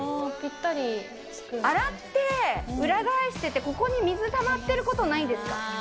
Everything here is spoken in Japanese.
洗って、裏返してて、ここに水たまってることないですか？